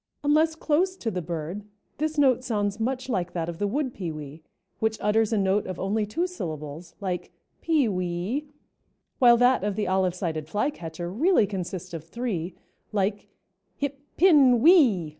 Unless close to the bird, this note sounds much like that of the wood pewee, which utters a note of only two syllables, like "pee wee," while that of the Olive sided Flycatcher really consists of three, like "hip pin whee."